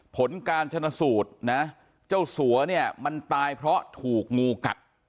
ผลการชนะสูตรนะเจ้าสัวเนี่ยมันตายเพราะถูกงูกัด